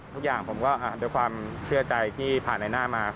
ทุกอย่างผมก็ด้วยความเชื่อใจที่ผ่านในหน้ามา